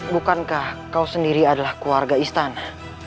bukankah kau sendiri adalah keluarga istana